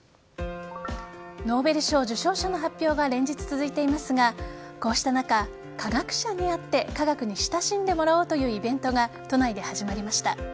ノーベル賞受賞者の発表が連日、続いていますがこうした中、科学者に会って科学に親しんでもらおうというイベントが都内で始まりました。